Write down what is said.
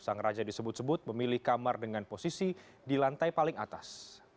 sang raja disebut sebut memilih kamar dengan posisi di lantai paling atas